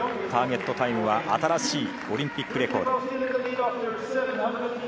ターゲットタイムは新しいオリンピックレコード。